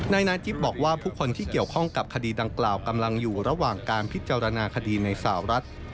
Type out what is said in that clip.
นาทิพย์บอกว่าผู้คนที่เกี่ยวข้องกับคดีดังกล่าวกำลังอยู่ระหว่างการพิจารณาคดีในสาวรัฐ